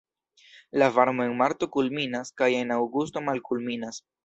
La varmo en marto kulminas kaj en aŭgusto malkulminas.